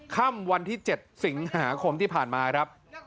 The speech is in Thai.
ค่ำวันที่๗สิงหาคมที่ผ่านมาครับ